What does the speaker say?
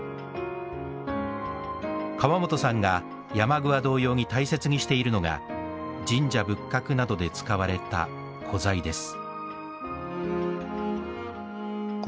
川本さんがヤマグワ同様に大切にしているのが神社仏閣などで使われた古材です